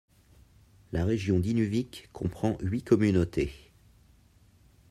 La région d'Inuvik comprend huit communautés.